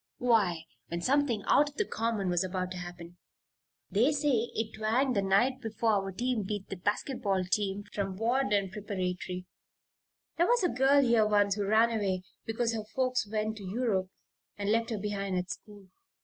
"Why, when something out of the common was about to happen. They say it twanged the night before our team beat the basket ball team from Varden Preparatory. There was a girl here once who ran away because her folks went to Europe and left her behind at school.